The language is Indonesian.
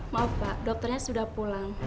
maaf pak dokternya sudah pulang